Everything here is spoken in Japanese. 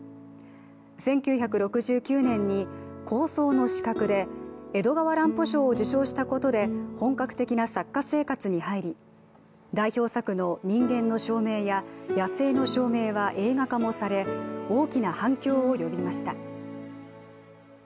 １９６９年に「高層の死角」で江戸川乱歩賞を受賞したことで、本格的な作家生活に入り代表作の「人間の証明」や「野生の証明」は映画化もされ、大きな反響を呼びました。